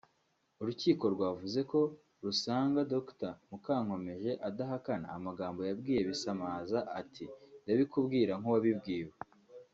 Urukiko rwavuze ko rusanga kuba Dr Mukankomeje adahakana amagambo yabwiye Bisamaza ati “ndabikubwira nk’uwabibwiwe”